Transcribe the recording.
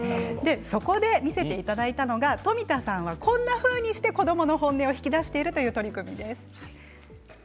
そこで見せていただいたのが冨田さんがこんなふうにして子どもの本音を引き出しているという取り組みです。